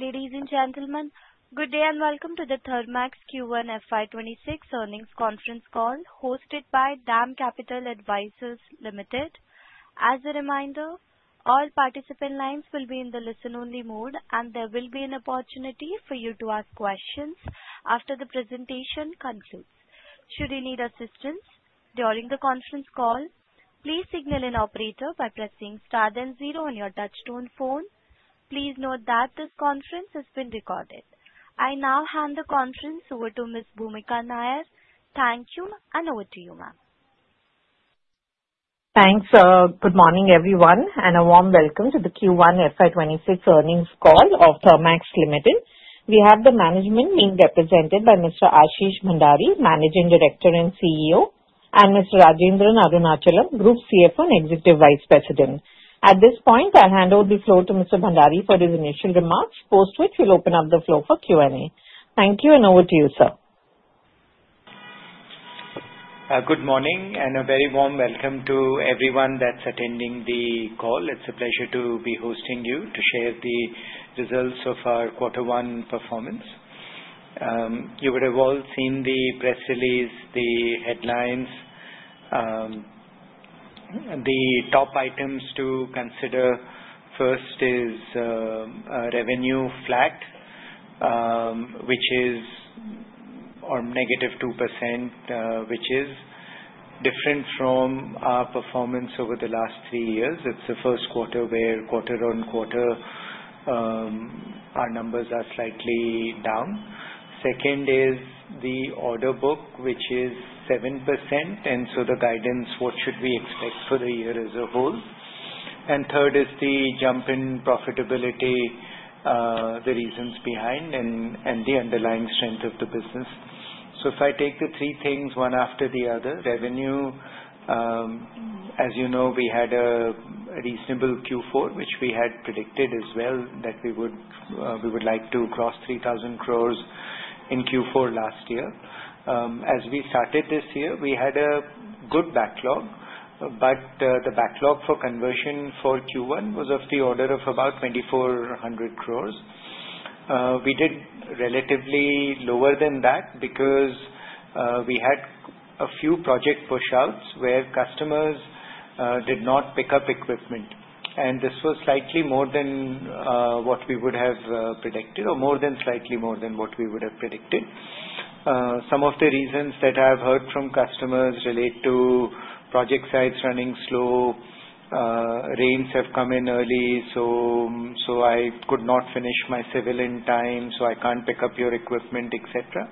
Ladies and gentlemen, good day and welcome to the Thermax Q1 FY 2026 earnings conference call hosted by DAM Capital Advisors Limited. As a reminder, all participant lines will be in the listen-only mode, and there will be an opportunity for you to ask questions after the presentation concludes. Should you need assistance during the conference call, please signal an operator by pressing star then zero on your touch-tone phone. Please note that this conference has been recorded. I now hand the conference over to Ms. Bhumika Nair. Thank you, and over to you, ma'am. Thanks. Good morning, everyone, and a warm welcome to the Q1 FY 2026 earnings call of Thermax Limited. We have the management being represented by Mr. Ashish Bhandari, Managing Director and CEO, and Mr. Rajendran Arunachalam, Group CFO and Executive Vice President. At this point, I'll hand over the floor to Mr. Bhandari for his initial remarks, post which we'll open up the floor for Q&A. Thank you, and over to you, sir. Good morning, and a very warm welcome to everyone that's attending the call. It's a pleasure to be hosting you to share the results of our Quarter One performance. You would have all seen the press release, the headlines. The top items to consider first is revenue flat, which is -2%, which is different from our performance over the last three years. It's the first quarter where quarter-on-quarter, our numbers are slightly down. Second is the order book, which is 7%, and so the guidance, what should we expect for the year as a whole. And third is the jump in profitability, the reasons behind, and the underlying strength of the business. So if I take the three things one after the other, revenue, as you know, we had a reasonable Q4, which we had predicted as well that we would like to cross 3,000 crores in Q4 last year. As we started this year, we had a good backlog, but the backlog for conversion for Q1 was of the order of about 2,400 crores. We did relatively lower than that because we had a few project push-outs where customers did not pick up equipment, and this was slightly more than what we would have predicted, or more than slightly more than what we would have predicted. Some of the reasons that I've heard from customers relate to project sites running slow, rains have come in early, so I could not finish my civil in time, so I can't pick up your equipment, et cetera.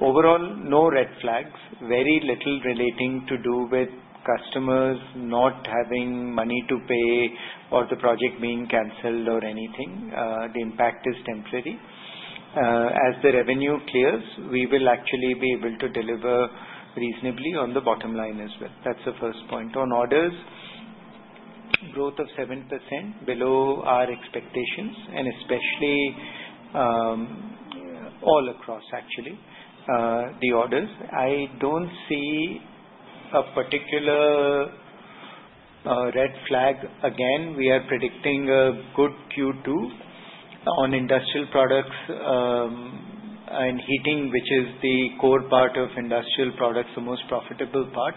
Overall, no red flags, very little relating to do with customers not having money to pay or the project being canceled or anything. The impact is temporary. As the revenue clears, we will actually be able to deliver reasonably on the bottom line as well. That's the first point. On orders, growth of 7% below our expectations, and especially all across, actually, the orders. I don't see a particular red flag. Again, we are predicting a good Q2 on Industrial Products and Heating, which is the core part of Industrial Products, the most profitable part,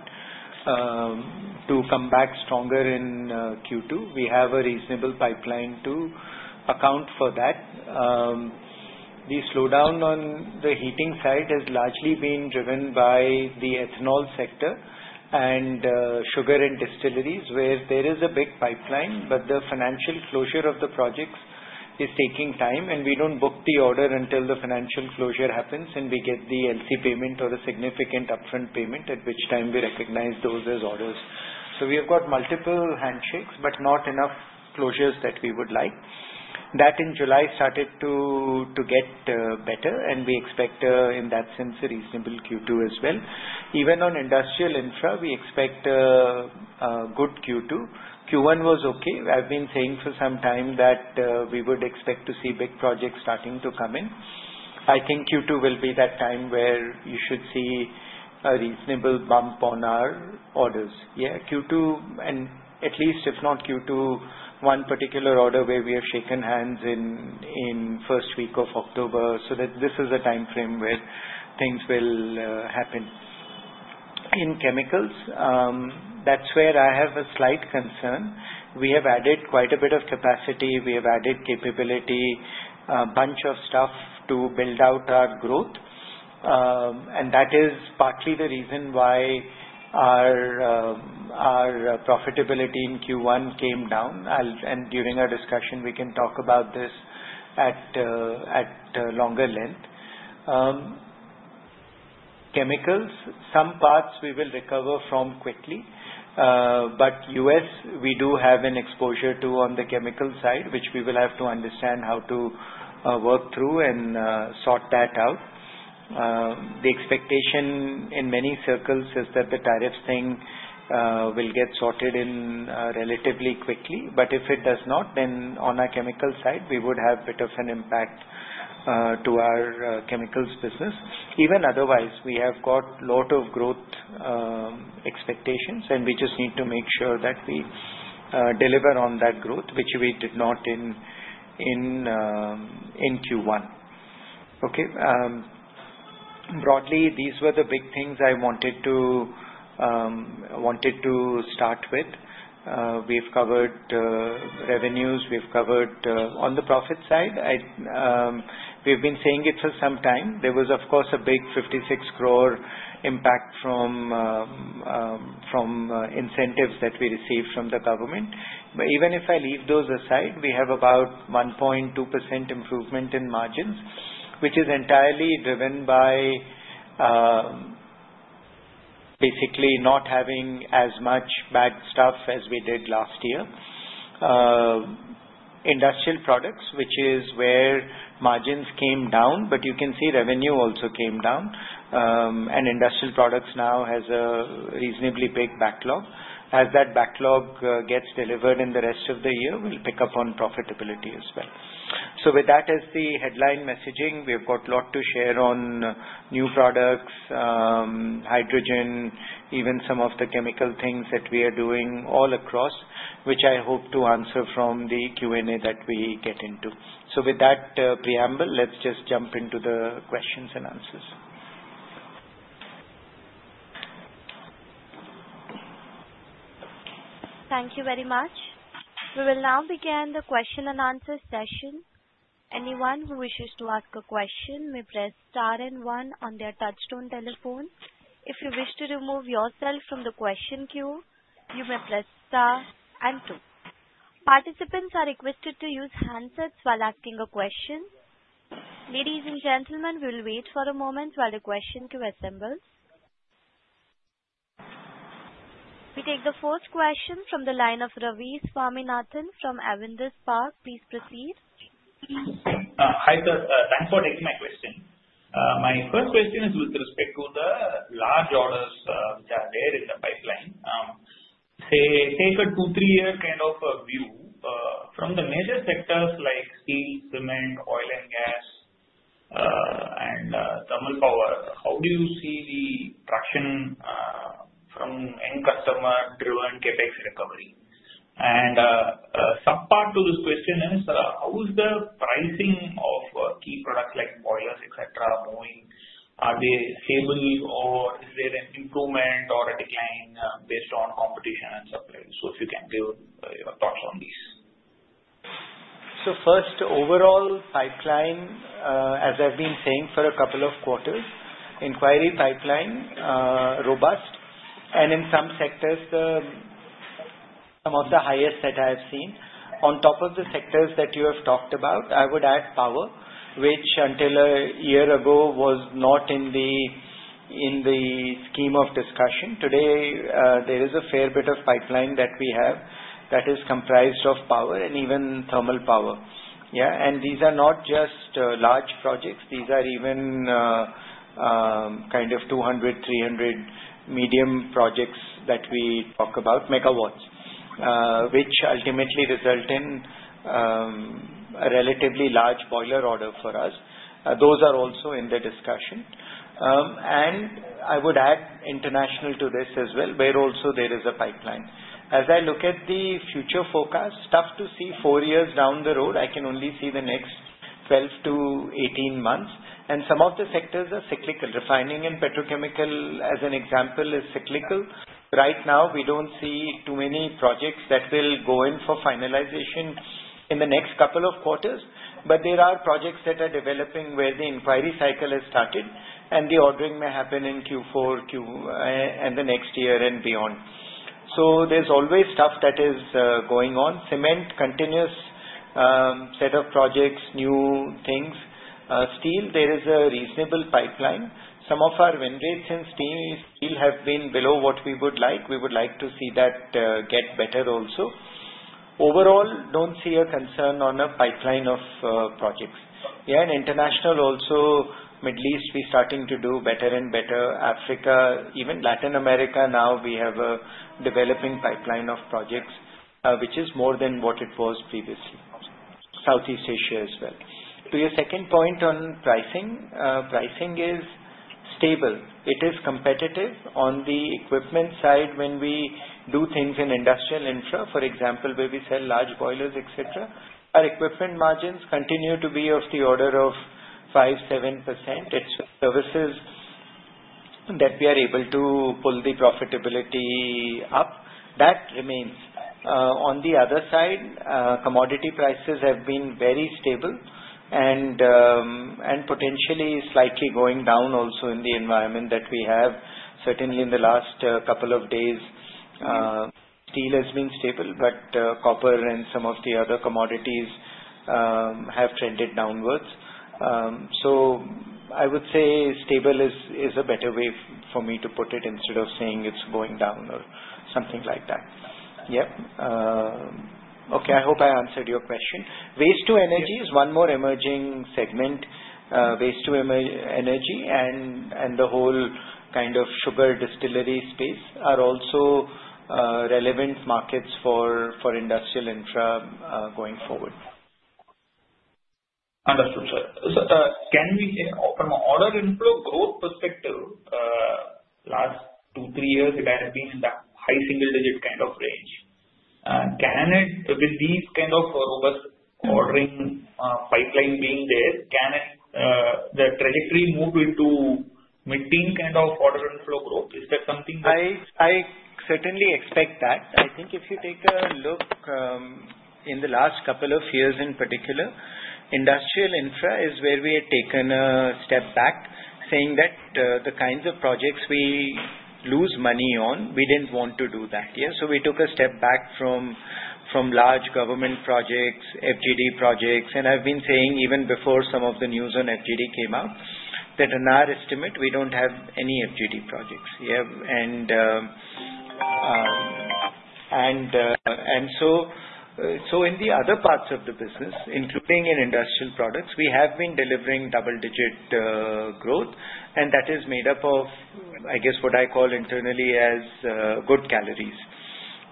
to come back stronger in Q2. We have a reasonable pipeline to account for that. The slowdown on the Heating side has largely been driven by the ethanol sector and sugar and distilleries, where there is a big pipeline, but the financial closure of the projects is taking time, and we don't book the order until the financial closure happens, and we get the LC payment or a significant upfront payment, at which time we recognize those as orders. So we have got multiple handshakes, but not enough closures that we would like. That in July started to get better, and we expect in that sense a reasonable Q2 as well. Even on Industrial Infra, we expect a good Q2. Q1 was okay. I've been saying for some time that we would expect to see big projects starting to come in. I think Q2 will be that time where you should see a reasonable bump on our orders. Yeah, Q2, and at least if not Q2, one particular order where we have shaken hands in first week of October. So this is a time frame where things will happen. In Chemicals, that's where I have a slight concern. We have added quite a bit of capacity. We have added capability, a bunch of stuff to build out our growth, and that is partly the reason why our profitability in Q1 came down. And during our discussion, we can talk about this at a longer length. Chemicals, some parts we will recover from quickly, but U.S., we do have an exposure to on the chemical side, which we will have to understand how to work through and sort that out. The expectation in many circles is that the tariffs thing will get sorted out relatively quickly, but if it does not, then on our chemical side, we would have a bit of an impact to our Chemicals business. Even otherwise, we have got a lot of growth expectations, and we just need to make sure that we deliver on that growth, which we did not in Q1. Okay. Broadly, these were the big things I wanted to start with. We've covered revenues. We've covered on the profit side. We've been saying it for some time. There was, of course, a big 56 crore impact from incentives that we received from the government. But even if I leave those aside, we have about 1.2% improvement in margins, which is entirely driven by basically not having as much bad stuff as we did last year. Industrial Products, which is where margins came down, but you can see revenue also came down, and Industrial Products now has a reasonably big backlog. As that backlog gets delivered in the rest of the year, we'll pick up on profitability as well. So with that as the headline messaging, we have got a lot to share on new products, hydrogen, even some of the chemical things that we are doing all across, which I hope to answer from the Q&A that we get into. So with that preamble, let's just jump into the questions and answers. Thank you very much. We will now begin the question and answer session. Anyone who wishes to ask a question may press star and one on their touch-tone telephone. If you wish to remove yourself from the question queue, you may press star and two. Participants are requested to use handsets while asking a question. Ladies and gentlemen, we will wait for a moment while the question queue assembles. We take the first question from the line of Ravi Swaminathan from Avendus Spark. Please proceed. Hi sir, thanks for taking my question. My first question is with respect to the large orders that are there in the pipeline. Take a two, three-year kind of view from the major sectors like steel, cement, oil and gas, and thermal power. How do you see the traction from end customer-driven CapEx recovery? And a subpart to this question is, how is the pricing of key products like boilers, et cetera, moving? Are they stable, or is there an improvement or a decline based on competition and supply? So if you can give your thoughts on these. First, overall pipeline, as I've been saying for a couple of quarters, inquiry pipeline, robust, and in some sectors, some of the highest that I have seen. On top of the sectors that you have talked about, I would add power, which until a year ago was not in the scheme of discussion. Today, there is a fair bit of pipeline that we have that is comprised of power and even thermal power. Yeah, and these are not just large projects. These are even kind of 200, 300 medium projects that we talk about, megawatts, which ultimately result in a relatively large boiler order for us. Those are also in the discussion. I would add international to this as well, where also there is a pipeline. As I look at the future forecast, tough to see four years down the road. I can only see the next 12 to 18 months, and some of the sectors are cyclical. Refining and petrochemical, as an example, is cyclical. Right now, we don't see too many projects that will go in for finalization in the next couple of quarters, but there are projects that are developing where the inquiry cycle has started, and the ordering may happen in Q4 and the next year and beyond. So there's always stuff that is going on. Cement, continuous set of projects, new things. Steel, there is a reasonable pipeline. Some of our win rates in steel have been below what we would like. We would like to see that get better also. Overall, don't see a concern on a pipeline of projects. Yeah, and international also, Middle East, we're starting to do better and better. Africa, even Latin America, now we have a developing pipeline of projects, which is more than what it was previously. Southeast Asia as well. To your second point on pricing, pricing is stable. It is competitive on the equipment side when we do things in Industrial Infra, for example, where we sell large boilers, et cetera. Our equipment margins continue to be of the order of 5%-7%. It's services that we are able to pull the profitability up. That remains. On the other side, commodity prices have been very stable and potentially slightly going down also in the environment that we have. Certainly, in the last couple of days, steel has been stable, but copper and some of the other commodities have trended downwards. So I would say stable is a better way for me to put it instead of saying it's going down or something like that. Yep. Okay, I hope I answered your question. Waste-to-energy is one more emerging segment. Waste-to-energy and the whole kind of sugar distillery space are also relevant markets for Industrial Infra going forward. Understood, sir. Can we say from an order inflow growth perspective, last two, three years, it has been in the high single-digit kind of range. With these kind of robust ordering pipeline being there, can the trajectory move into maintain kind of order inflow growth? Is that something that? I certainly expect that. I think if you take a look in the last couple of years in particular, Industrial Infra is where we had taken a step back, saying that the kinds of projects we lose money on, we didn't want to do that. Yeah, so we took a step back from large government projects, FGD projects, and I've been saying even before some of the news on FGD came out that in our estimate, we don't have any FGD projects. Yeah, and so in the other parts of the business, including in Industrial Products, we have been delivering double-digit growth, and that is made up of, I guess, what I call internally as good calories.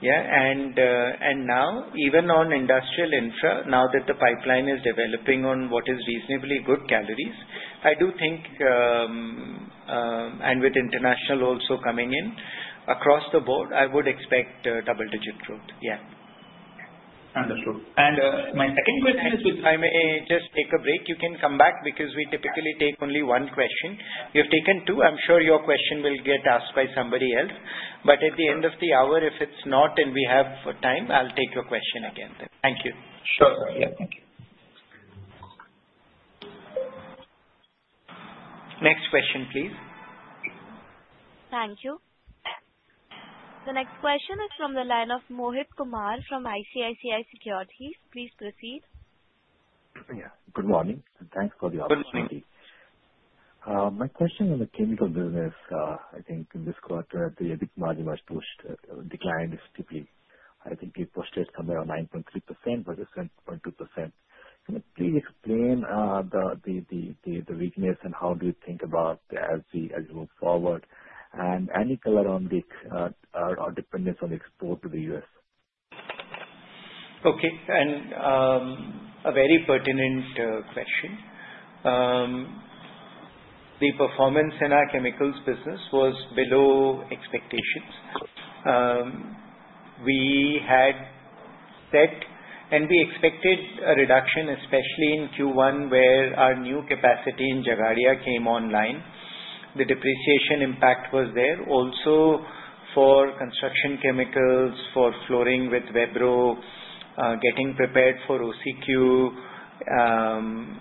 Yeah, and now, even on Industrial Infra, now that the pipeline is developing on what is reasonably good caliber, I do think, and with international also coming in, across the board, I would expect double-digit growth. Yeah. Understood. And my second question is with. If I may just take a break, you can come back because we typically take only one question. We have taken two. I'm sure your question will get asked by somebody else, but at the end of the hour, if it's not and we have time, I'll take your question again then. Thank you. Sure, sir. Yeah, thank you. Next question, please. Thank you. The next question is from the line of Mohit Kumar from ICICI Securities. Please proceed. Yeah, good morning, and thanks for the opportunity. My question on the chemical business, I think in this quarter, the margin was pushed, declined steeply. I think it pushed it somewhere around 9.3% versus 7.2%. Can you please explain the weakness and how do you think about as we move forward and any color on the dependence on export to the U.S.? Okay, and a very pertinent question. The performance in our Chemicals business was below expectations. We had set and we expected a reduction, especially in Q1, where our new capacity in Jhagadia came online. The depreciation impact was there. Also, for Construction Chemicals, for flooring with Vebro, getting prepared for OQ,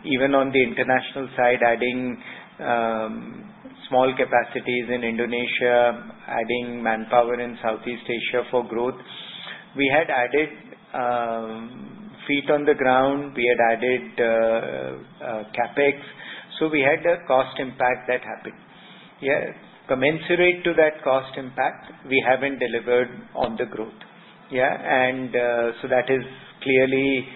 even on the international side, adding small capacities in Indonesia, adding manpower in Southeast Asia for growth. We had added feet on the ground. We had added CapEx. So we had a cost impact that happened. Yeah, commensurate to that cost impact, we haven't delivered on the growth. Yeah, and so that is clearly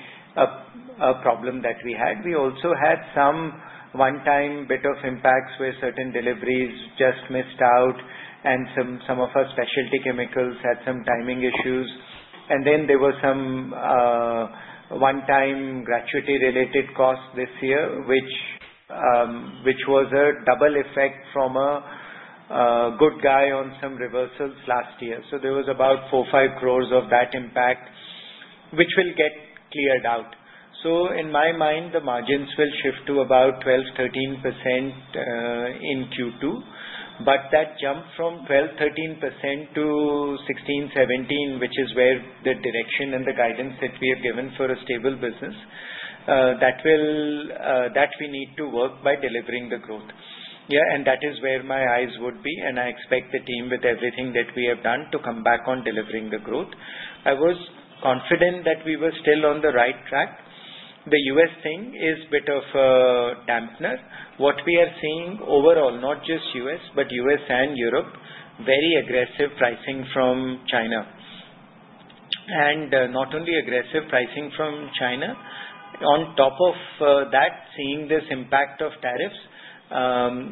a problem that we had. We also had some one-time bit of impacts where certain deliveries just missed out, and some of our specialty chemicals had some timing issues. And then there were some one-time gratuity-related costs this year, which was a double effect from a goodwill on some reversals last year. So there was about 4-5 crores of that impact, which will get cleared out. So in my mind, the margins will shift to about 12%-13% in Q2, but that jump from 12%-13% to 16%-17%, which is where the direction and the guidance that we have given for a stable business, that we need to work by delivering the growth. Yeah, and that is where my eyes would be, and I expect the team with everything that we have done to come back on delivering the growth. I was confident that we were still on the right track. The U.S. thing is a bit of a dampener. What we are seeing overall, not just U.S., but U.S. and Europe, very aggressive pricing from China. And not only aggressive pricing from China, on top of that, seeing this impact of tariffs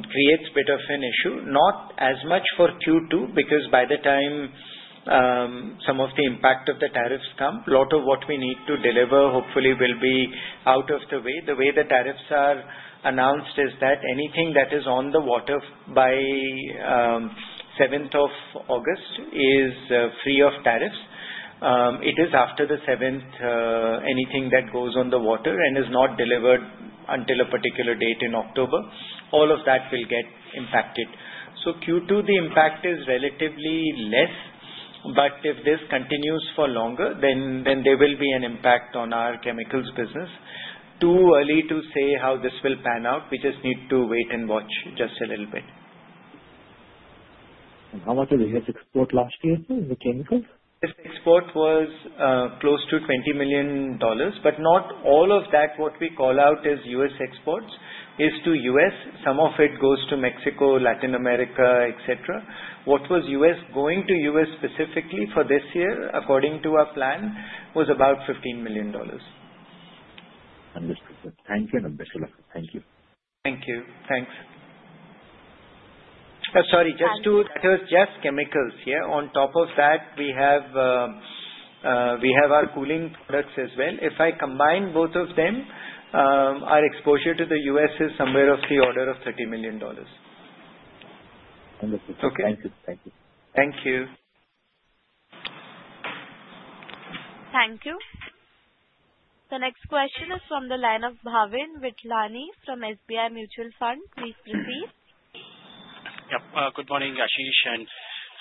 creates a bit of an issue. Not as much for Q2, because by the time some of the impact of the tariffs come, a lot of what we need to deliver, hopefully, will be out of the way. The way the tariffs are announced is that anything that is on the water by 7th of August is free of tariffs. It is after the 7th anything that goes on the water and is not delivered until a particular date in October, all of that will get impacted. So Q2, the impact is relatively less, but if this continues for longer, then there will be an impact on our Chemicals business. Too early to say how this will pan out. We just need to wait and watch just a little bit. How much was the U.S. export last year in the Chemicals? U.S. export was close to $20 million, but not all of that, what we call out as U.S. exports, is to U.S. Some of it goes to Mexico, Latin America, et cetera. What was U.S. going to U.S. specifically for this year, according to our plan, was about $15 million. Understood. Thank you, Ashish. Thank you. Thank you. Thanks. Sorry, just to. That was just Chemicals. Yeah, on top of that, we have our cooling products as well. If I combine both of them, our exposure to the U.S. is somewhere of the order of $30 million. Understood. Thank you. Okay. Thank you. Thank you. The next question is from the line of Bhavin Vithlani from SBI Mutual Fund. Please proceed. Yep, good morning, Ashish, and it's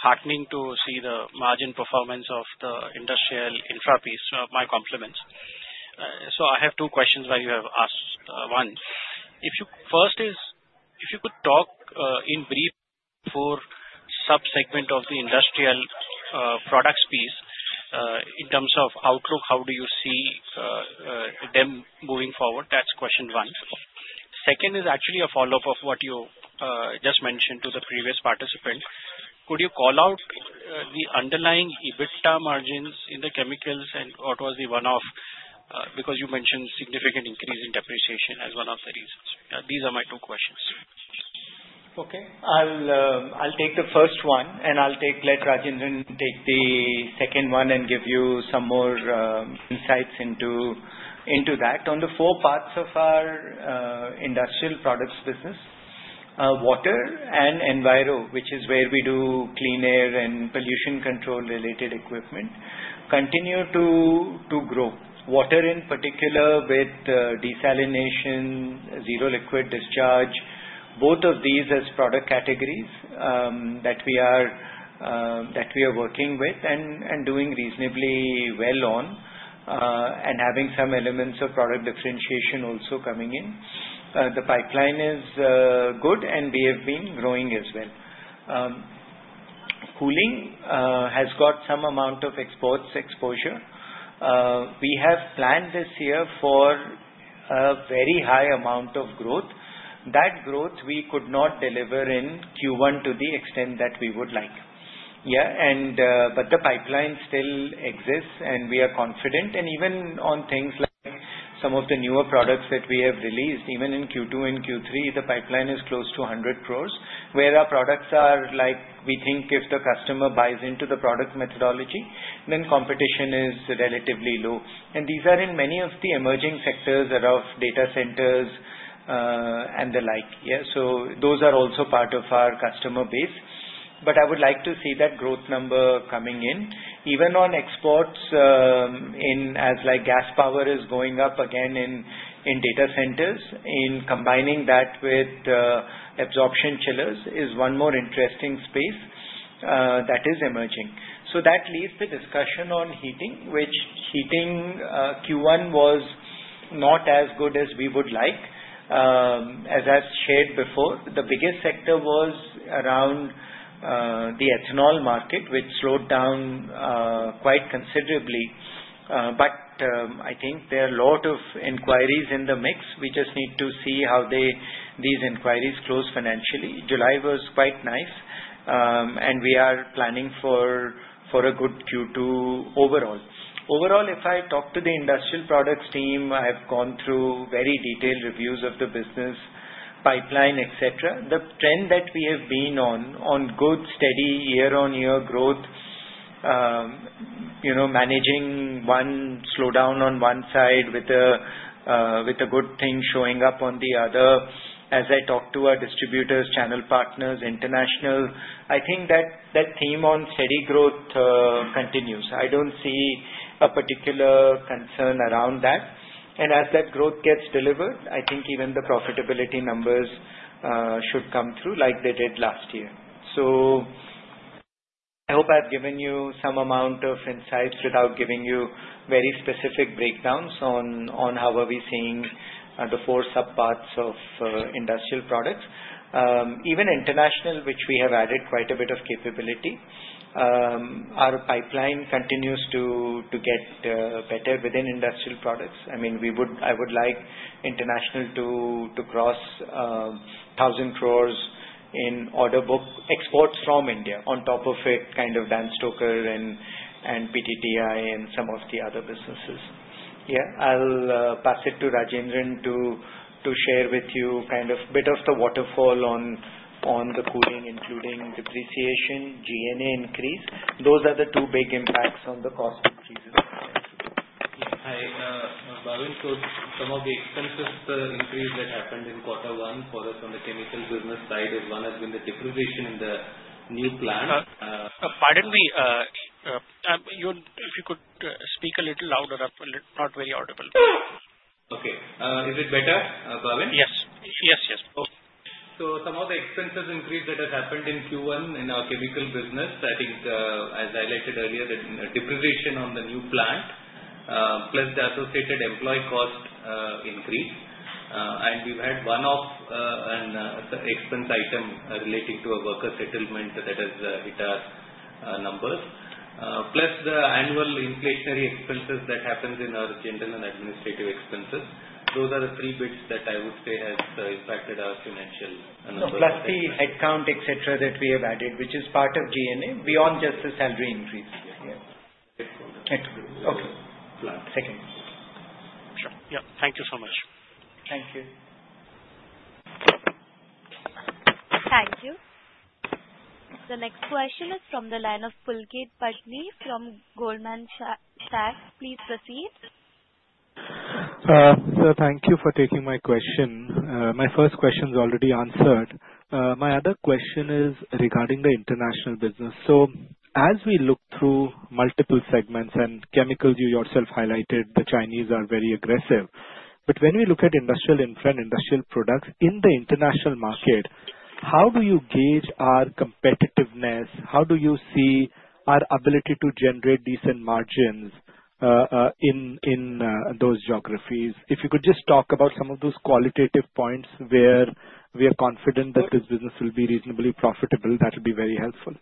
heartening to see the margin performance of the Industrial Infra piece. My compliments. So I have two questions. The first is if you could talk in brief for subsegment of the Industrial Products piece in terms of outlook, how do you see them moving forward? That's question one. Second is actually a follow-up of what you just mentioned to the previous participant. Could you call out the underlying EBITDA margins in the Chemicals, and what was the one-off? Because you mentioned significant increase in depreciation as one of the reasons. These are my two questions. Okay, I'll take the first one, and let Rajendran take the second one and give you some more insights into that. On the four parts of our Industrial Products business, Water and Enviro, which is where we do clean air and pollution control related equipment, continue to grow. Water in particular with desalination, zero liquid discharge, both of these as product categories that we are working with and doing reasonably well on and having some elements of product differentiation also coming in. The pipeline is good, and we have been growing as well. Cooling has got some amount of exports exposure. We have planned this year for a very high amount of growth. That growth we could not deliver in Q1 to the extent that we would like. Yeah, but the pipeline still exists, and we are confident. Even on things like some of the newer products that we have released, even in Q2 and Q3, the pipeline is close to 100 crores, where our products are like we think if the customer buys into the product methodology, then competition is relatively low. These are in many of the emerging sectors of data centers and the like. Yeah, so those are also part of our customer base. I would like to see that growth number coming in. Even on exports, in areas like gas power is going up again in data centers, combining that with absorption chillers is one more interesting space that is emerging. That leads the discussion on Heating, which Q1 was not as good as we would like. As I've shared before, the biggest sector was around the ethanol market, which slowed down quite considerably. I think there are a lot of inquiries in the mix. We just need to see how these inquiries close financially. July was quite nice, and we are planning for a good Q2 overall. Overall, if I talk to the Industrial Products team, I've gone through very detailed reviews of the business pipeline, et cetera. The trend that we have been on, on good steady year-on-year growth, managing one slowdown on one side with a good thing showing up on the other, as I talk to our distributors, channel partners, international, I think that theme on steady growth continues. I don't see a particular concern around that. As that growth gets delivered, I think even the profitability numbers should come through like they did last year. So, I hope I've given you some amount of insights without giving you very specific breakdowns on how are we seeing the four subparts of Industrial Products. Even international, which we have added quite a bit of capability, our pipeline continues to get better within Industrial Products. I mean, I would like international to cross 1,000 crores in order book exports from India, on top of it kind of Danstoker and PT TII and some of the other businesses. Yeah, I'll pass it to Rajendran to share with you kind of a bit of the waterfall on the cooling, including depreciation, G&A increase. Those are the two big impacts on the cost increases. Yeah, Bhavin, so some of the expenses increase that happened in quarter one for us on the chemical business side is one has been the depreciation in the new plant. Pardon me, if you could speak a little louder up, not very audible. Okay. Is it better, Bhavin? Yes. Yes, yes. Some of the expenses increase that has happened in Q1 in our chemical business, I think, as I alluded earlier, depreciation on the new plant, plus the associated employee cost increase. We've had one-off expense item relating to a worker settlement that has hit our numbers, plus the annual inflationary expenses that happens in our general and administrative expenses. Those are the three bits that I would say have impacted our financial numbers. No, plus the headcount, et cetera, that we have added, which is part of G&A beyond just the salary increase. Okay. Second. Sure. Yeah, thank you so much. Thank you. Thank you. The next question is from the line of Pulkit Patni from Goldman Sachs. Please proceed. Sir, thank you for taking my question. My first question is already answered. My other question is regarding the international business. So as we look through multiple segments and Chemicals, you yourself highlighted the Chinese are very aggressive. But when we look at industrial and Industrial Products in the international market, how do you gauge our competitiveness? How do you see our ability to generate decent margins in those geographies? If you could just talk about some of those qualitative points where we are confident that this business will be reasonably profitable, that would be very helpful.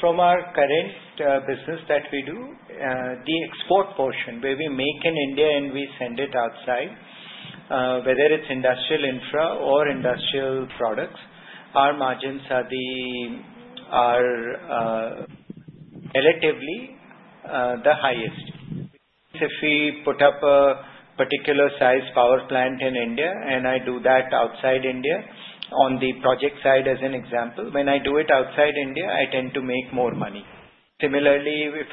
From our current business that we do, the export portion where we make in India and we send it outside, whether it's Industrial Infra or Industrial Products, our margins are relatively the highest. If we put up a particular size power plant in India and I do that outside India on the project side as an example, when I do it outside India, I tend to make more money. Similarly, if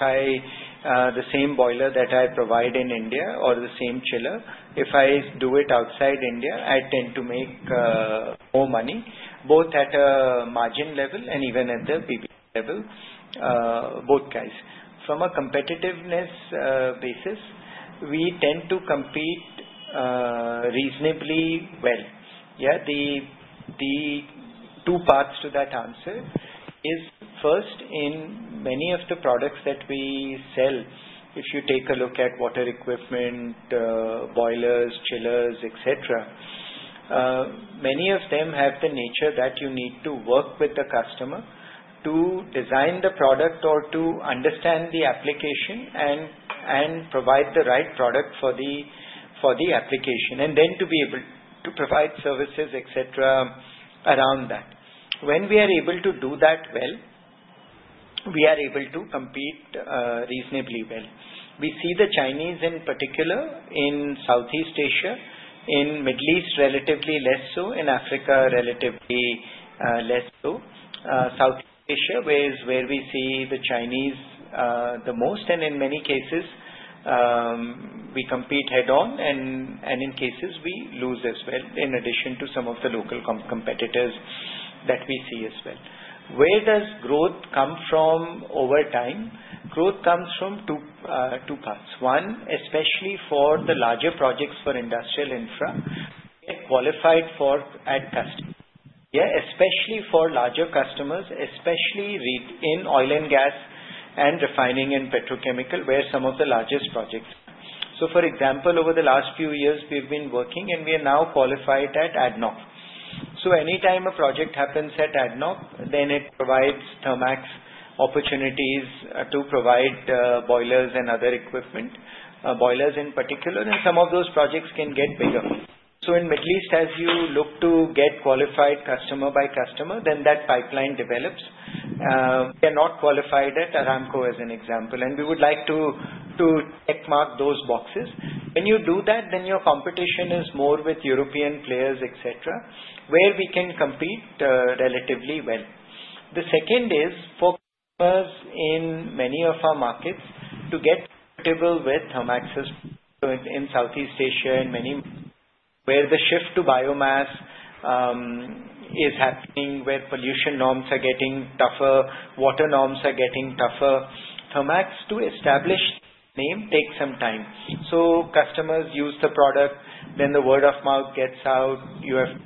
the same boiler that I provide in India or the same chiller, if I do it outside India, I tend to make more money, both at a margin level and even at the PP level, both guys. From a competitiveness basis, we tend to compete reasonably well. Yeah, the two parts to that answer is first, in many of the products that we sell, if you take a look at water equipment, boilers, chillers, et cetera, many of them have the nature that you need to work with the customer to design the product or to understand the application and provide the right product for the application, and then to be able to provide services, et cetera., around that. When we are able to do that well, we are able to compete reasonably well. We see the Chinese in particular in Southeast Asia, in Middle East relatively less so, in Africa relatively less so. Southeast Asia is where we see the Chinese the most, and in many cases, we compete head-on, and in cases, we lose as well, in addition to some of the local competitors that we see as well. Where does growth come from over time? Growth comes from two parts. One, especially for the larger projects for Industrial Infra, we get qualified for at customers. Yeah, especially for larger customers, especially in oil and gas and refining and petrochemical, where some of the largest projects are. So for example, over the last few years, we've been working, and we are now qualified at ADNOC. So anytime a project happens at ADNOC, then it provides Thermax opportunities to provide boilers and other equipment, boilers in particular, and some of those projects can get bigger. So in Middle East, as you look to get qualified customer by customer, then that pipeline develops. We are not qualified at Aramco as an example, and we would like to checkmark those boxes. When you do that, then your competition is more with European players, et cetera, where we can compete relatively well. The second is for customers in many of our markets to get compatible with Thermax in Southeast Asia and many where the shift to biomass is happening, where pollution norms are getting tougher, water norms are getting tougher. Thermax, to establish name, takes some time. So customers use the product, then the word of mouth gets out. You have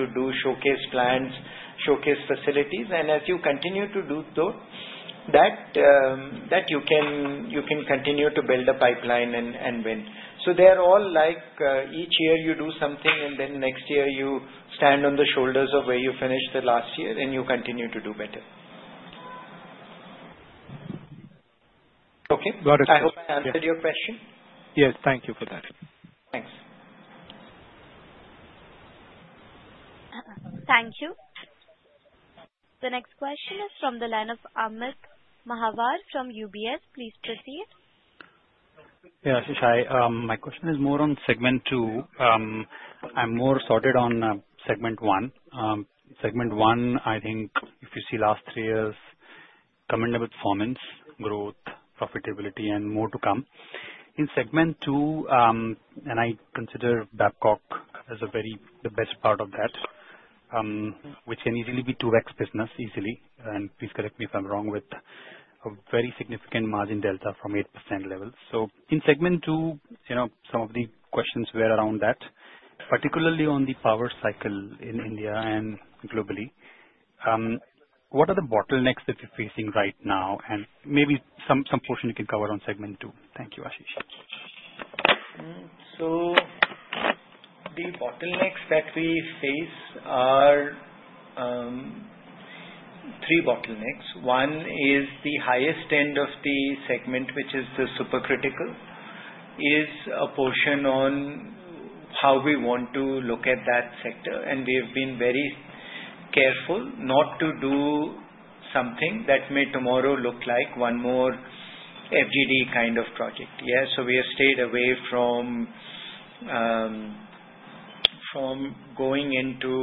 to do showcase plants, showcase facilities, and as you continue to do so, that you can continue to build a pipeline and win. So they are all like each year you do something, and then next year you stand on the shoulders of where you finished the last year, and you continue to do better. Okay? Got it. I hope I answered your question. Yes, thank you for that. Thanks. Thank you. The next question is from the line of Amit Mahawar from UBS. Please proceed. Yeah, Ashish, my question is more on segment two. I'm more sorted on segment one. Segment one, I think if you see last three years, common performance, growth, profitability, and more to come. In segment two, and I consider Babcock as the best part of that, which can easily be 2X business easily, and please correct me if I'm wrong, with a very significant margin delta from 8% level. So in segment two, some of the questions were around that, particularly on the power cycle in India and globally. What are the bottlenecks that you're facing right now? And maybe some portion you can cover on segment two. Thank you, Ashish. So the bottlenecks that we face are three bottlenecks. One is the highest end of the segment, which is the supercritical, is a portion on how we want to look at that sector. And we have been very careful not to do something that may tomorrow look like one more FGD kind of project. Yeah, so we have stayed away from going into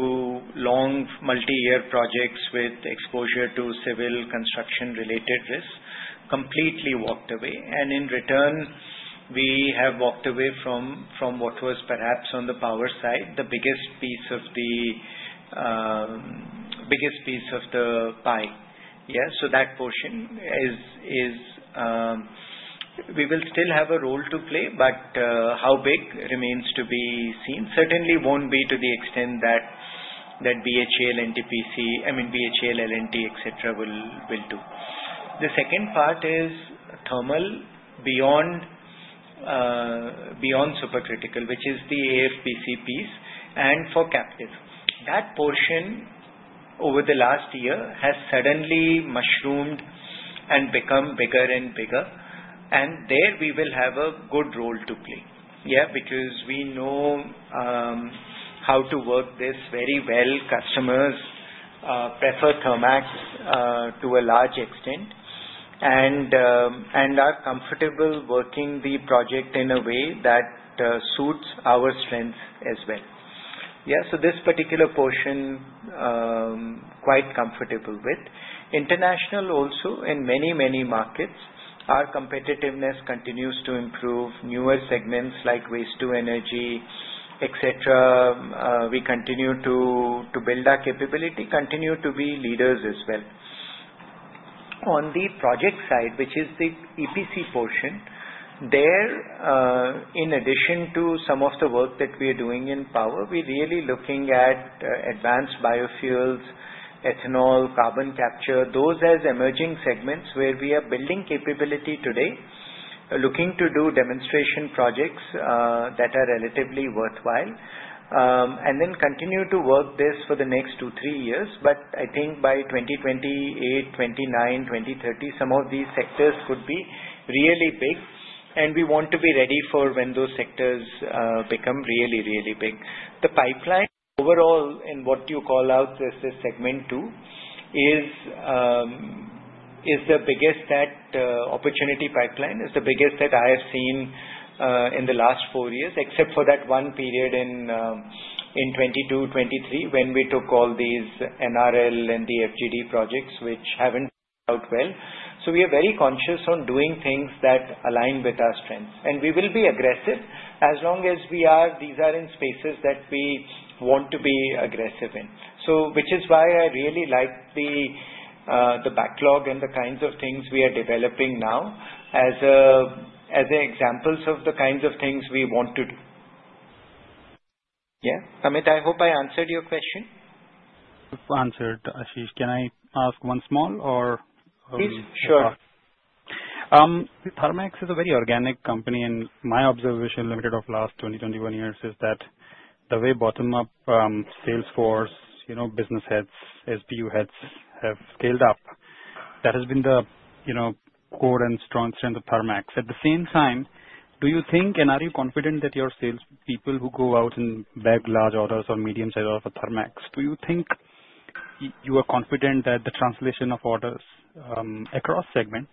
long multi-year projects with exposure to civil construction-related risk, completely walked away. And in return, we have walked away from what was perhaps on the power side, the biggest piece of the pie. Yeah, so that portion is we will still have a role to play, but how big remains to be seen. Certainly, won't be to the extent that BHEL, NTPC, I mean, BHEL, L&T, et cetera, will do. The second part is thermal beyond supercritical, which is the AFBC piece and for captive. That portion over the last year has suddenly mushroomed and become bigger and bigger. And there we will have a good role to play. Yeah, because we know how to work this very well. Customers prefer Thermax to a large extent and are comfortable working the project in a way that suits our strengths as well. Yeah, so this particular portion, quite comfortable with. International also, in many, many markets, our competitiveness continues to improve. Newer segments like waste-to-energy, et cetera, we continue to build our capability, continue to be leaders as well. On the project side, which is the EPC portion, there, in addition to some of the work that we are doing in power, we're really looking at advanced biofuels, ethanol, carbon capture, those as emerging segments where we are building capability today, looking to do demonstration projects that are relatively worthwhile, and then continue to work this for the next two, three years. But I think by 2028, 2029, 2030, some of these sectors could be really big, and we want to be ready for when those sectors become really, really big. The pipeline overall in what you call out as the segment two is the biggest opportunity pipeline that I have seen in the last four years, except for that one period in 2022, 2023 when we took all these NRL and the FGD projects, which haven't worked out well. So we are very conscious on doing things that align with our strengths. And we will be aggressive as long as these are in spaces that we want to be aggressive in, which is why I really like the backlog and the kinds of things we are developing now as examples of the kinds of things we want to do. Yeah, Amit, I hope I answered your question. Answered, Ashish. Can I ask one small one? Please, sure. Thermax is a very organic company, and my limited observation of the last 20-21 years is that the way bottom-up sales force business heads, SBU heads have scaled up, that has been the core and strong strength of Thermax. At the same time, do you think, and are you confident that your salespeople who go out and bag large orders or medium-sized orders for Thermax, do you think you are confident that the translation of orders across segments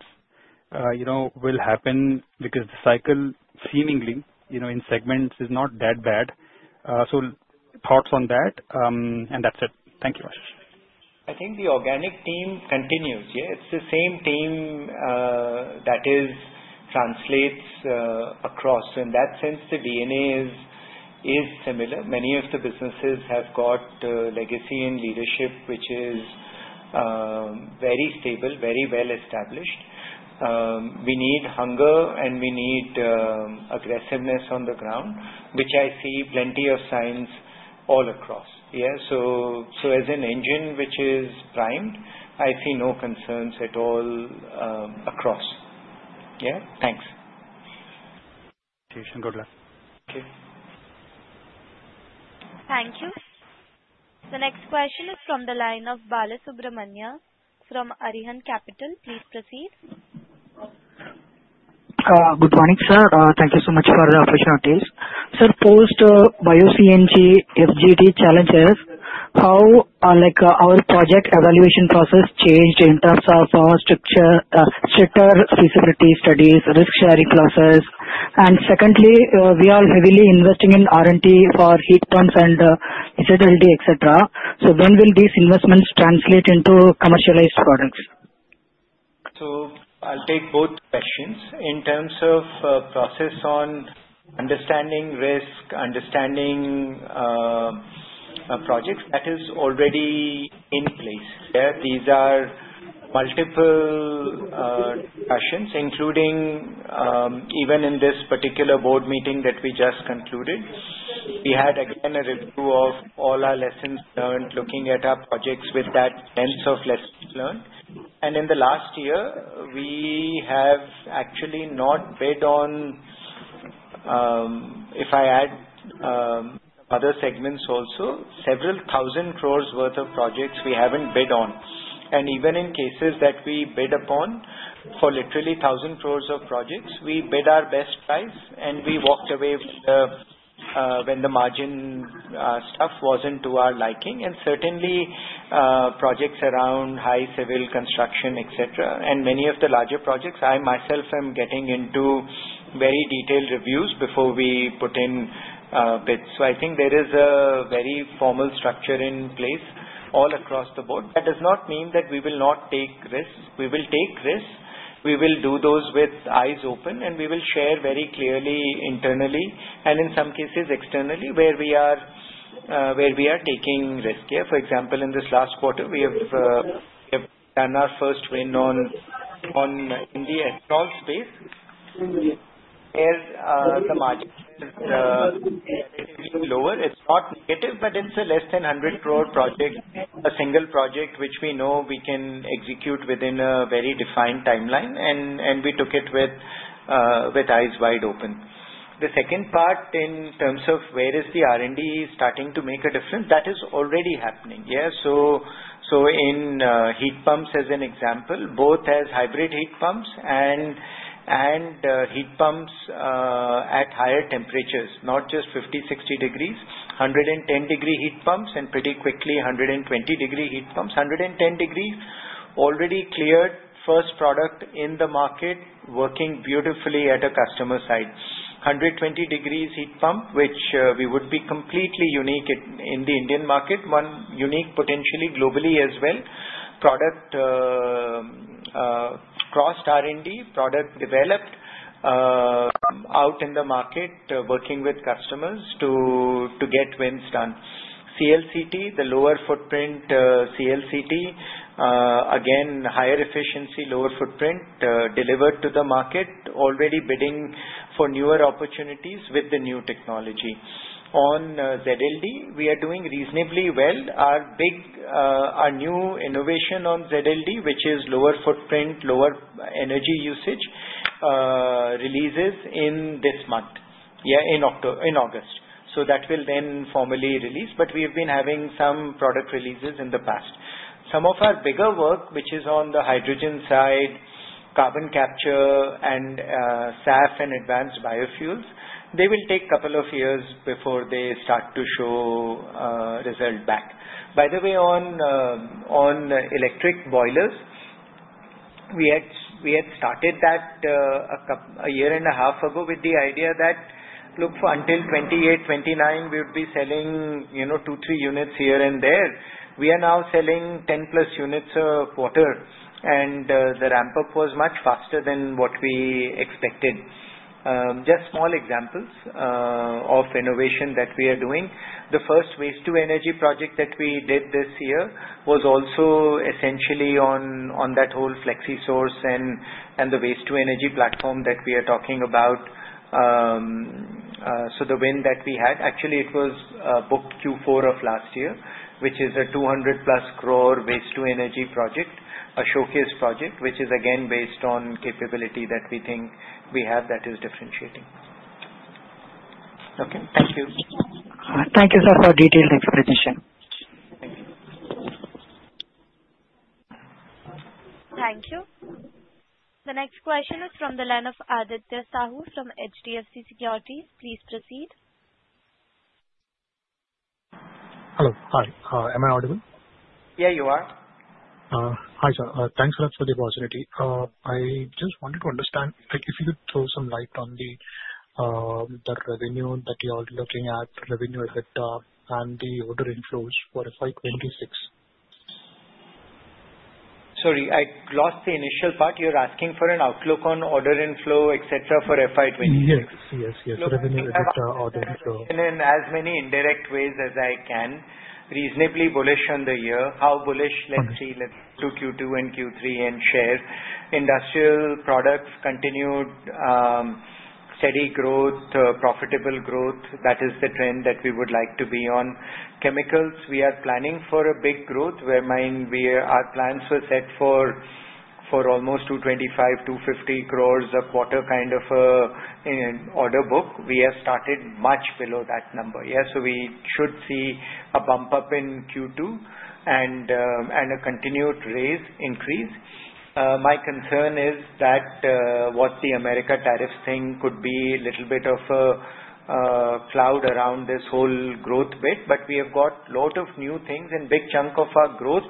will happen because the cycle seemingly in segments is not that bad? Thoughts on that, and that's it. Thank you, Ashish. I think the organic team continues. Yeah, it's the same team that translates across. In that sense, the DNA is similar. Many of the businesses have got legacy and leadership, which is very stable, very well established. We need hunger, and we need aggressiveness on the ground, which I see plenty of signs all across. Yeah, so as an engine which is primed, I see no concerns at all across. Yeah, thanks. Thank you. Thank you. Thank you. The next question is from the line of Balasubramanya from Arihant Capital. Please proceed. Good morning, sir. Thank you so much for the earnings updates. Sir, post-Bio-CNG FGD challenges, how has our project evaluation process changed in terms of our structure, stricter feasibility studies, risk-sharing process? And secondly, we are heavily investing in R&D for heat pumps and utilities, et cetera. So when will these investments translate into commercialized products? I'll take both questions. In terms of process on understanding risk, understanding projects that is already in place. Yeah, these are multiple questions, including even in this particular board meeting that we just concluded. We had, again, a review of all our lessons learned, looking at our projects with that lens of lessons learned. In the last year, we have actually not bid on, if I add other segments also, several thousand crores worth of projects we haven't bid on. Even in cases that we bid upon for literally thousand crores of projects, we bid our best price, and we walked away when the margin stuff wasn't to our liking. Certainly, projects around high civil construction, et cetera, and many of the larger projects, I myself am getting into very detailed reviews before we put in bids. So I think there is a very formal structure in place all across the board. That does not mean that we will not take risks. We will take risks. We will do those with eyes open, and we will share very clearly internally and in some cases externally where we are taking risk. Yeah, for example, in this last quarter, we have done our first win in the ethanol space where the margin is relatively lower. It's not negative, but it's a less than 100 crore project, a single project which we know we can execute within a very defined timeline, and we took it with eyes wide open. The second part in terms of where is the R&D starting to make a difference, that is already happening. Yeah, so in heat pumps as an example, both as hybrid heat pumps and heat pumps at higher temperatures, not just 50, 60 degrees Celsius, 110-degree Celsius heat pumps and pretty quickly 120-degree Celsius heat pumps. 110-degree Celsius already cleared first product in the market, working beautifully at a customer side. 120-degree Celsius heat pump, which we would be completely unique in the Indian market, one unique potentially globally as well. Product crossed R&D, product developed out in the market, working with customers to get wins done. CLCT, the lower footprint CLCT, again, higher efficiency, lower footprint, delivered to the market, already bidding for newer opportunities with the new technology. On ZLD, we are doing reasonably well. Our new innovation on ZLD, which is lower footprint, lower energy usage, releases in this month, yeah, in August. So that will then formally release, but we have been having some product releases in the past. Some of our bigger work, which is on the hydrogen side, carbon capture, and SAF and advanced biofuels, they will take a couple of years before they start to show result back. By the way, on electric boilers, we had started that a year and a half ago with the idea that, look, until 2028, 2029, we would be selling two, three units here and there. We are now selling 10+ units a quarter, and the ramp-up was much faster than what we expected. Just small examples of innovation that we are doing. The first waste-to-energy project that we did this year was also essentially on that whole FlexiSource and the waste-to-energy platform that we are talking about. So the win that we had, actually, it was booked Q4 of last year, which is a 200-plus crore waste-to-energy project, a showcase project, which is again based on capability that we think we have that is differentiating. Okay, thank you. Thank you, sir, for detailed explanation. Thank you. Thank you. The next question is from the line of Aditya Sahu from HDFC Securities. Please proceed. Hello. Hi. Am I audible? Yeah, you are. Hi, sir. Thanks so much for the opportunity. I just wanted to understand if you could throw some light on the revenue that you're looking at, revenue at the top, and the order inflows for FY 2026? Sorry, I lost the initial part. You're asking for an outlook on order inflow, et cetera, for FY 2026? Yes, yes, yes. Revenue at the top, order inflow. And in as many indirect ways as I can, reasonably bullish on the year. How bullish? Let's see. To Q2 and Q3 and share. Industrial Products, continued steady growth, profitable growth. That is the trend that we would like to be on. Chemicals, we are planning for a big growth where our plans were set for almost 225-250 crores a quarter kind of an order book. We have started much below that number. Yeah, so we should see a bump-up in Q2 and a continued raise increase. My concern is that what the American tariffs thing could be a little bit of a cloud around this whole growth bit, but we have got a lot of new things, and a big chunk of our growth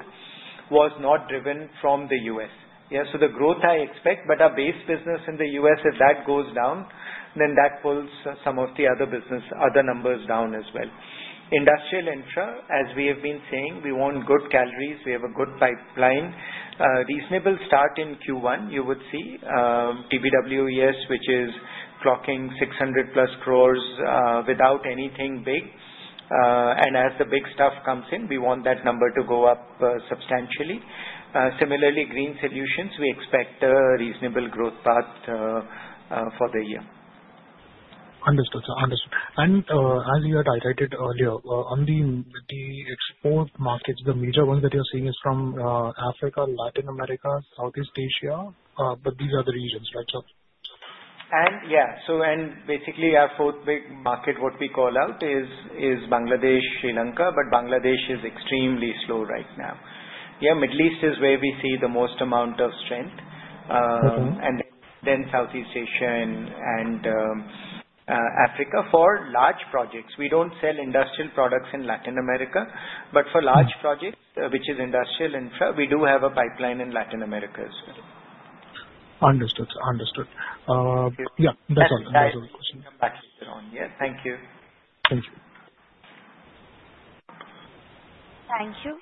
was not driven from the U.S. Yeah, so the growth I expect, but our base business in the U.S., if that goes down, then that pulls some of the other numbers down as well. Industrial Infra, as we have been saying, we want good calibre. We have a good pipeline. Reasonable start in Q1, you would see TBWES, which is clocking 600-plus crores without anything big. And as the big stuff comes in, we want that number to go up substantially. Similarly, Green Solutions, we expect a reasonable growth path for the year. Understood, sir. Understood. And as you had highlighted earlier, on the export markets, the major ones that you're seeing are from Africa, Latin America, Southeast Asia, but these are the regions, right, sir? Yeah, so basically, our fourth big market, what we call out, is Bangladesh, Sri Lanka, but Bangladesh is extremely slow right now. Yeah, Middle East is where we see the most amount of strength, and then Southeast Asia and Africa for large projects. We don't sell Industrial Products in Latin America, but for large projects, which is Industrial Infra, we do have a pipeline in Latin America as well. Understood, sir. Understood. Yeah, that's all. That's all the questions. Okay. I'll come back later on. Yeah, thank you. Thank you. Thank you.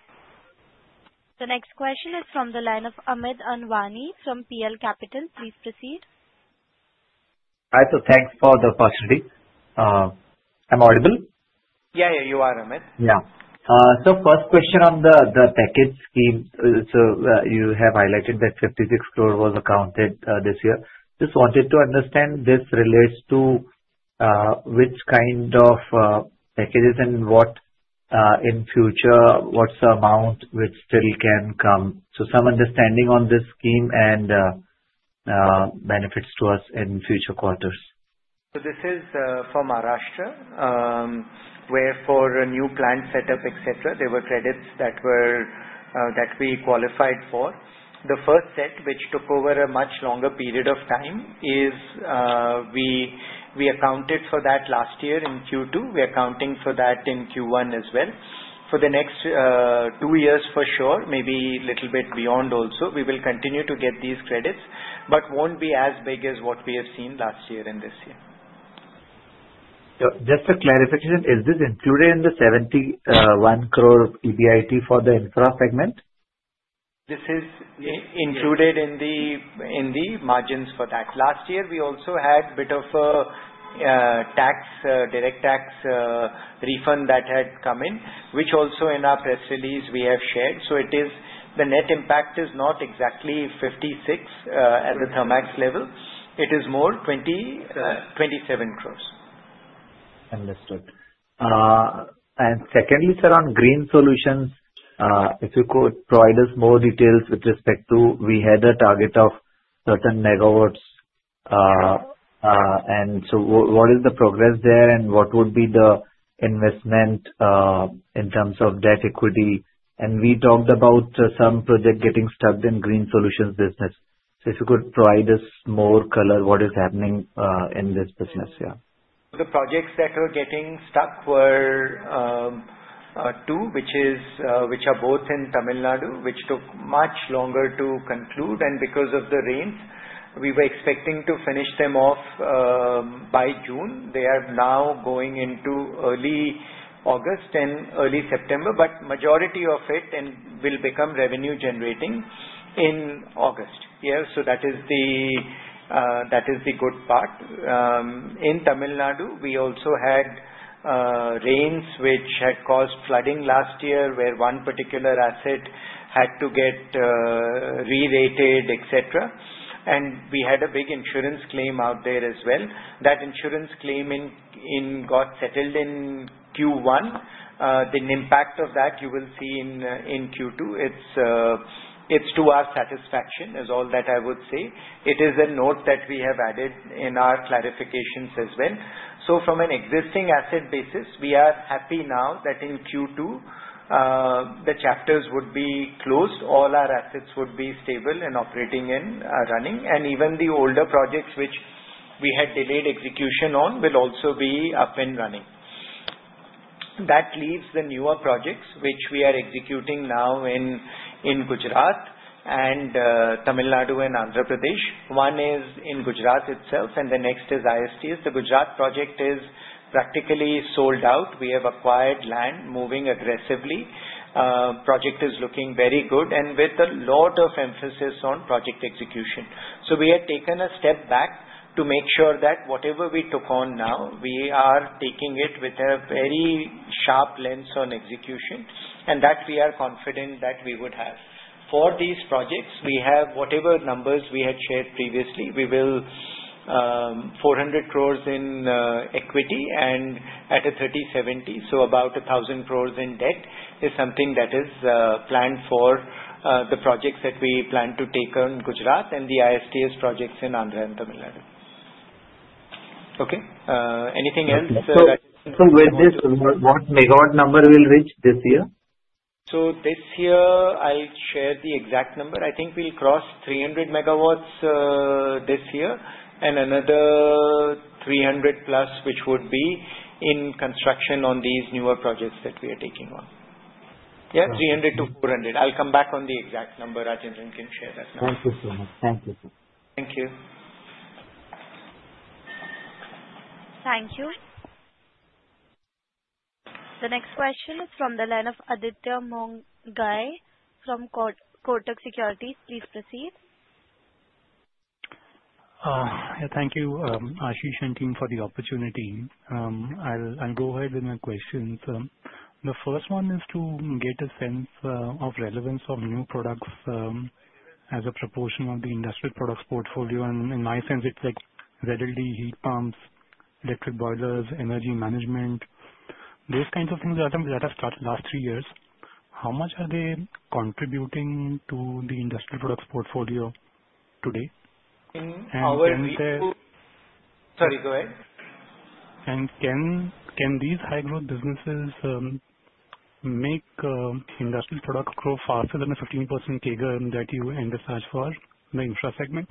The next question is from the line of Amit Anwani from PL Capital. Please proceed. Hi, sir. Thanks for the opportunity. I'm audible? Yeah, yeah, you are, Amit. Yeah. So first question on the package scheme. So you have highlighted that 56 crore was accounted this year. Just wanted to understand this relates to which kind of packages and what in future, what's the amount which still can come. So some understanding on this scheme and benefits to us in future quarters. So this is for Maharashtra where for a new plant setup, et cetera, there were credits that we qualified for. The first set, which took over a much longer period of time, is we accounted for that last year in Q2. We are accounting for that in Q1 as well. For the next two years, for sure, maybe a little bit beyond also, we will continue to get these credits, but won't be as big as what we have seen last year and this year. Just a clarification, is this included in the 71 crore EBIT for the infra segment? This is included in the margins for that. Last year, we also had a bit of a direct tax refund that had come in, which also in our press release we have shared. So the net impact is not exactly 56 crores at the Thermax level. It is more 27 crores. Understood. And secondly, sir, on Green Solutions, if you could provide us more details with respect to we had a target of certain megawatts. And so what is the progress there and what would be the investment in terms of debt equity? And we talked about some project getting stuck in Green Solutions business. So if you could provide us more color, what is happening in this business, yeah? The projects that were getting stuck were two, which are both in Tamil Nadu, which took much longer to conclude. And because of the rains, we were expecting to finish them off by June. They are now going into early August and early September, but majority of it will become revenue-generating in August. Yeah, so that is the good part. In Tamil Nadu, we also had rains which had caused flooding last year where one particular asset had to get re-rated, et cetera. And we had a big insurance claim out there as well. That insurance claim got settled in Q1. The impact of that you will see in Q2. It's to our satisfaction, is all that I would say. It is a note that we have added in our clarifications as well. So from an existing asset basis, we are happy now that in Q2, the chapters would be closed. All our assets would be stable and operating and running. Even the older projects which we had delayed execution on will also be up and running. That leaves the newer projects which we are executing now in Gujarat and Tamil Nadu and Andhra Pradesh. One is in Gujarat itself, and the next is ISTS. The Gujarat project is practically sold out. We have acquired land moving aggressively. The project is looking very good and with a lot of emphasis on project execution. We had taken a step back to make sure that whatever we took on now, we are taking it with a very sharp lens on execution, and that we are confident that we would have. For these projects, we have whatever numbers we had shared previously. We will 400 crores in equity and at a 30/70, so about 1,000 crores in debt is something that is planned for the projects that we plan to take on in Gujarat and the ISTS projects in Andhra Pradesh and Tamil Nadu. Okay. Anything else? So with this, what number will reach this year? So this year, I'll share the exact number. I think we'll cross 300 megawatts this year and another 300+, which would be in construction on these newer projects that we are taking on. Yeah, 300-400. I'll come back on the exact number. Rajendran can share that now. Thank you so much. Thank you, sir. Thank you. Thank you. The next question is from the line of Aditya Mongia from Kotak Securities. Please proceed. Yeah, thank you, Ashish and team, for the opportunity. I'll go ahead with my questions. The first one is to get a sense of relevance of new products as a proportion of the Industrial Products portfolio. And in my sense, it's like ZLD heat pumps, electric boilers, energy management, those kinds of things that have started last three years. How much are they contributing to the Industrial Products portfolio today? Sorry, go ahead. Can these high-growth businesses make Industrial Products grow faster than the 15% CAGR that you emphasized for the infra segment?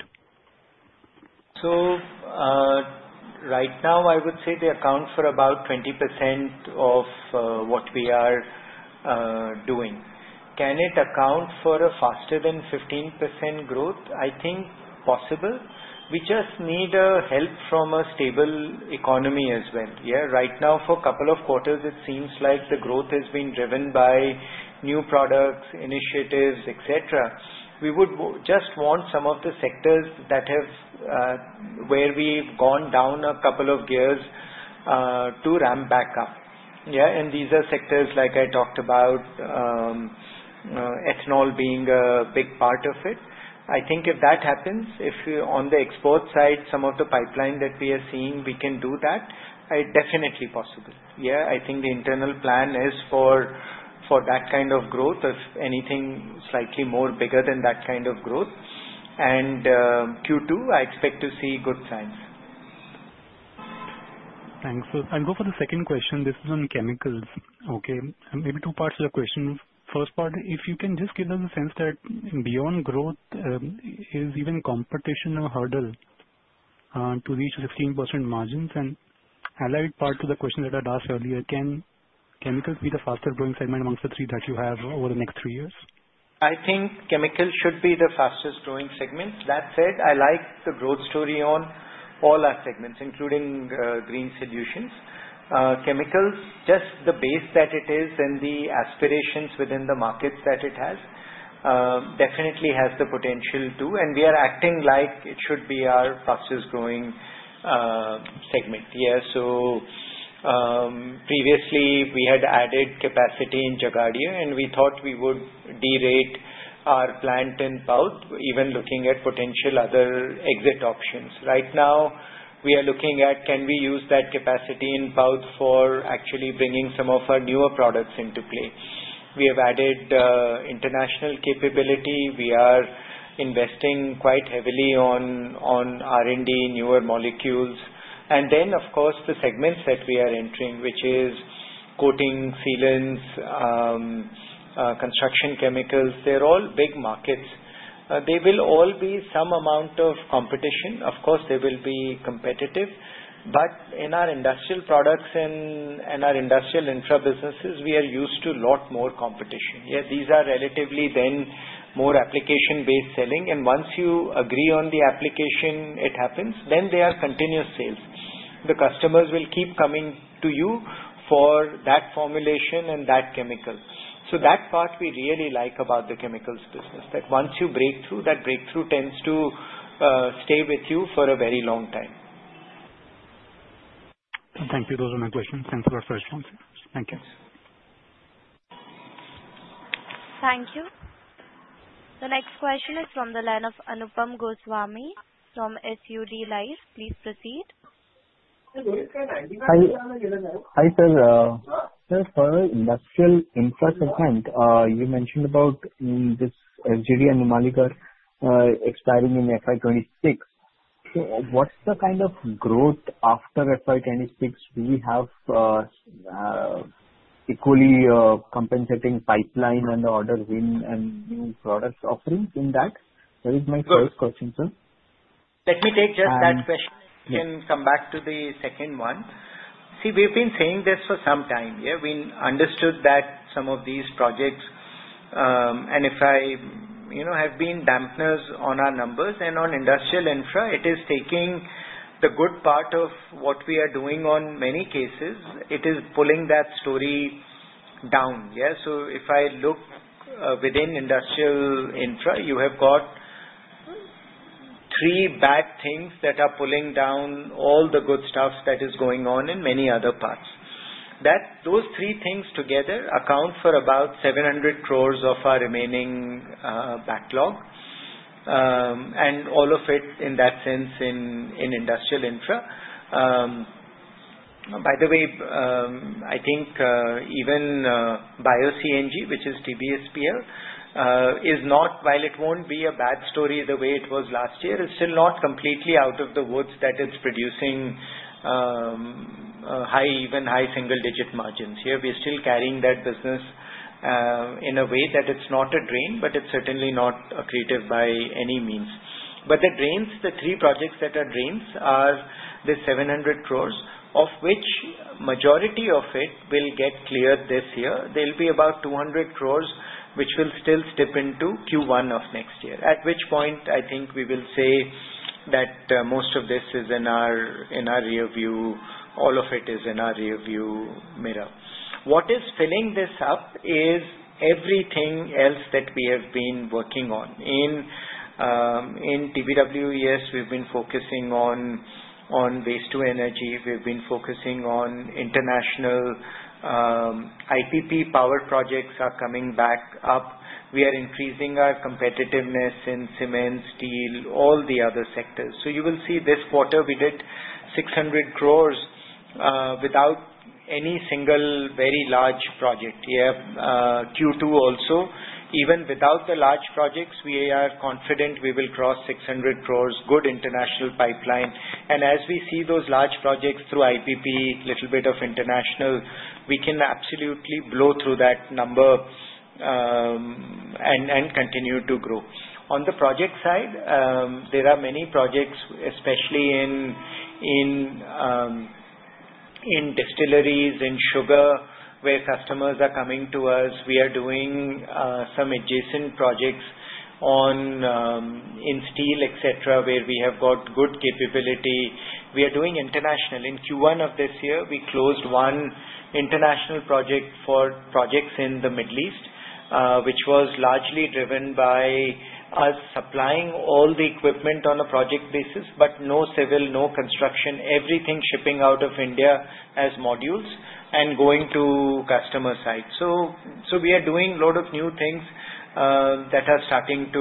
Right now, I would say they account for about 20% of what we are doing. Can it account for a faster than 15% growth? I think possible. We just need help from a stable economy as well. Yeah, right now, for a couple of quarters, it seems like the growth has been driven by new products, initiatives, et cetera. We would just want some of the sectors where we've gone down a couple of gears to ramp back up. Yeah, and these are sectors like I talked about, ethanol being a big part of it. I think if that happens, if on the export side, some of the pipeline that we are seeing, we can do that. It's definitely possible. Yeah, I think the internal plan is for that kind of growth, if anything slightly more bigger than that kind of growth. And Q2, I expect to see good signs. Thanks, and go for the second question. This is on Chemicals. Okay. Maybe two parts of the question. First part, if you can just give us a sense that beyond growth is even competition a hurdle to reach 15% margins. And I like part of the question that I'd asked earlier. Can Chemicals be the fastest growing segment amongst the three that you have over the next three years? I think Chemicals should be the fastest growing segment. That said, I like the growth story on all our segments, including Green Solutions. Chemicals, just the base that it is and the aspirations within the markets that it has, definitely has the potential too, and we are acting like it should be our fastest growing segment. Yeah, so previously, we had added capacity in Jhagadia, and we thought we would derate our plant in Paithan, even looking at potential other exit options. Right now, we are looking at can we use that capacity in Paithan for actually bringing some of our newer products into play. We have added international capability. We are investing quite heavily on R&D, newer molecules, and then, of course, the segments that we are entering, which is coating, sealants, Construction Chemicals, they're all big markets. There will be some amount of competition. Of course, they will be competitive. But in our Industrial Products and our Industrial Infra businesses, we are used to a lot more competition. Yeah, these are relatively then more application-based selling. And once you agree on the application, it happens, then they are continuous sales. The customers will keep coming to you for that formulation and that chemical. So that part we really like about the Chemicals business, that once you break through, that breakthrough tends to stay with you for a very long time. Thank you. Those are my questions. Thank you for your response. Thank you. Thank you. The next question is from the line of Anupam Goswami from SUD Life. Please proceed. Hi, sir. For Industrial Infra segment, you mentioned about this FGD Yamunanagar expiring in FY 2026. So what's the kind of growth after FY 2026? Do we have equally compensating pipeline and order win and new products offering in that? That is my first question, sir. Let me take just that question. You can come back to the second one. See, we've been saying this for some time. Yeah, we understood that some of these projects have been dampeners on our numbers and on Industrial Infra. It is taking the good part of what we are doing in many cases. It is pulling that story down. Yeah, so if I look within Industrial Infra, you have got three bad things that are pulling down all the good stuff that is going on in many other parts. Those three things together account for about 700 crores of our remaining backlog, and all of it in that sense in Industrial Infra. By the way, I think even Bio-CNG, which is TBSPL, is not, while it won't be a bad story the way it was last year, it's still not completely out of the woods that it's producing even high single-digit margins. Yeah, we're still carrying that business in a way that it's not a drain, but it's certainly not accretive by any means. But the drains, the three projects that are drains are the 700 crores, of which majority of it will get cleared this year. There'll be about 200 crores which will still slip into Q1 of next year, at which point I think we will say that most of this is in our rearview. All of it is in our rearview mirror. What is filling this up is everything else that we have been working on. In TBW, yes, we've been focusing on waste-to-energy. We've been focusing on international IPP power projects are coming back up. We are increasing our competitiveness in cement, steel, all the other sectors, so you will see this quarter we did 600 crores without any single very large project. Yeah, Q2 also, even without the large projects, we are confident we will cross 600 crores, good international pipeline, and as we see those large projects through IPP, a little bit of international, we can absolutely blow through that number and continue to grow. On the project side, there are many projects, especially in distilleries, in sugar, where customers are coming to us. We are doing some adjacent projects in steel, et cetera, where we have got good capability. We are doing international. In Q1 of this year, we closed one international project for projects in the Middle East, which was largely driven by us supplying all the equipment on a project basis, but no civil, no construction, everything shipping out of India as modules and going to customer sites. So we are doing a lot of new things that are starting to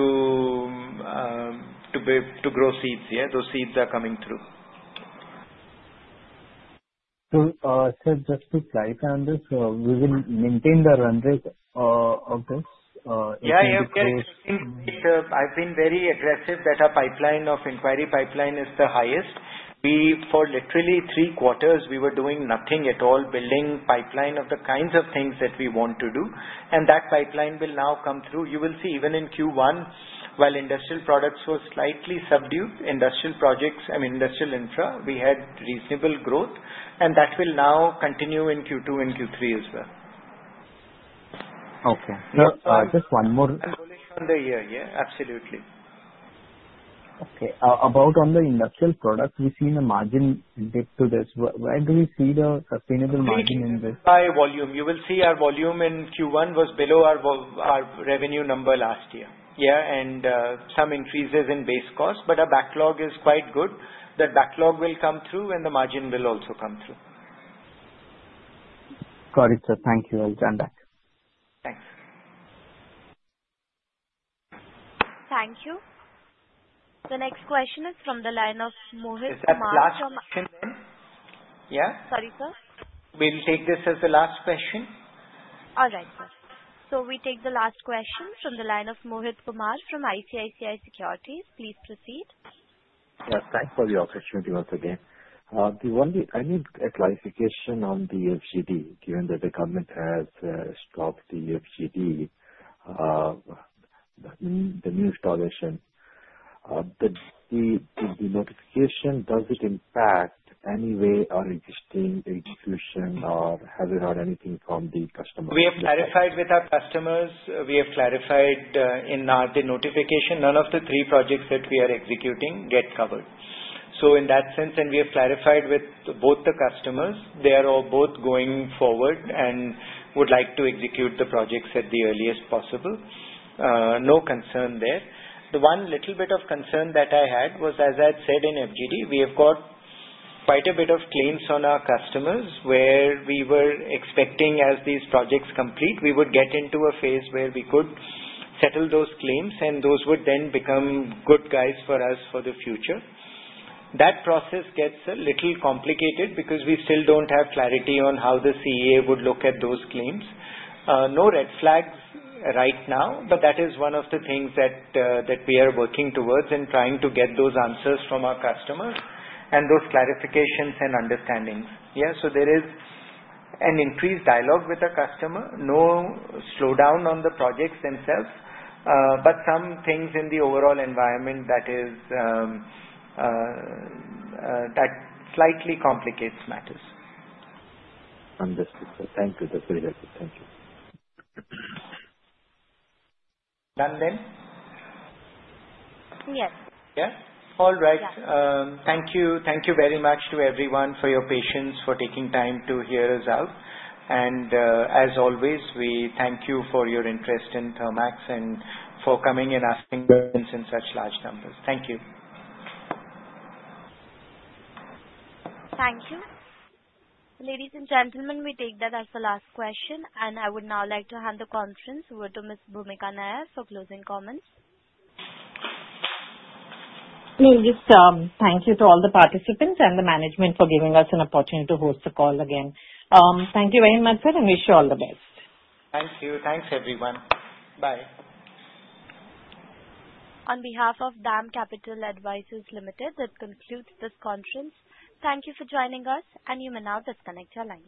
grow seeds. Yeah, those seeds are coming through. So just to clarify on this, we will maintain the run rate of this? Yeah, I've been very aggressive that our pipeline of inquiry pipeline is the highest. For literally three quarters, we were doing nothing at all, building pipeline of the kinds of things that we want to do. And that pipeline will now come through. You will see even in Q1, while Industrial Products were slightly subdued, Industrial Projects and Industrial Infra, we had reasonable growth, and that will now continue in Q2 and Q3 as well. Okay. Just one more. Evolution of the year. Yeah, absolutely. Okay. About on the Industrial Products, we've seen a margin dip to this. Where do we see the sustainable margin in this? By volume. You will see our volume in Q1 was below our revenue number last year. Yeah, and some increases in base cost, but our backlog is quite good. The backlog will come through, and the margin will also come through. Got it, sir. Thank you. I'll turn back. Thanks. Thank you. The next question is from the line of Mohit Kumar. Is that the last question then? Yeah? Sorry, sir. We'll take this as the last question. All right, sir. So we take the last question from the line of Mohit Kumar from ICICI Securities. Please proceed. Yeah, thanks for the opportunity once again. I need clarification on the FGD, given that the government has stopped the FGD, the new installation. The notification, does it impact any way our existing execution, or have you heard anything from the customer? We have clarified with our customers. We have clarified in the notification, none of the three projects that we are executing get covered. So in that sense, and we have clarified with both the customers, they are all both going forward and would like to execute the projects at the earliest possible. No concern there. The one little bit of concern that I had was, as I had said in FGD, we have got quite a bit of claims on our customers where we were expecting as these projects complete, we would get into a phase where we could settle those claims, and those would then become good guys for us for the future. That process gets a little complicated because we still don't have clarity on how the CEA would look at those claims. No red flags right now, but that is one of the things that we are working towards and trying to get those answers from our customers and those clarifications and understandings. Yeah, so there is an increased dialogue with the customer, no slowdown on the projects themselves, but some things in the overall environment that slightly complicates matters. Understood, sir. Thank you. That's very helpful. Thank you. Done then? Yes. Yeah? All right. Thank you very much to everyone for your patience, for taking time to hear us out. And as always, we thank you for your interest in Thermax and for coming and asking questions in such large numbers. Thank you. Thank you. Ladies and gentlemen, we take that as the last question, and I would now like to hand the conference over to Ms. Bhumika Nair for closing comments. Thank you to all the participants and the management for giving us an opportunity to host the call again. Thank you very much, sir, and wish you all the best. Thank you. Thanks, everyone. Bye. On behalf of DAM Capital Advisors Limited, that concludes this conference. Thank you for joining us, and you may now disconnect your lines.